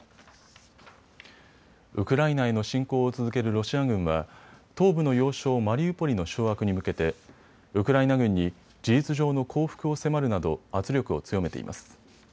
ウクライナへの侵攻を続けるロシア軍は東部の要衝マリウポリの掌握に向けてウクライナ軍に事実上の降伏を迫るなど圧力を強めています。